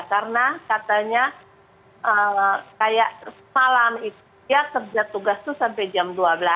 karena katanya kayak malam itu dia kerja tugas itu sampai jam dua belas